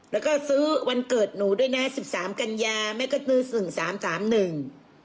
แล้วก็ซื้อวันเกิดหนูด้วยนะสิบสามกัญญาแม่ก็ซื้อหนึ่งสามสามหนึ่ง